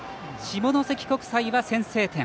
下関国際は先制点。